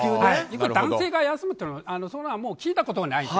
男性が休むというのはそれは聞いたことがないって。